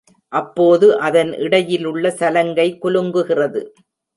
அப்போது அதன் இடையிலுள்ள சலங்கை குலுங்குகிறது.